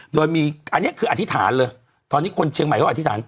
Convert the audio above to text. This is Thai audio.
โดยมีอันนี้คืออธิษฐานเลยตอนนี้คนเชียงใหม่เขาอธิษฐาน